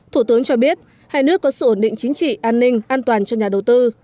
thủ tướng cho biết hai nước có sự ổn định chính trị an ninh an toàn cho nhà đầu tư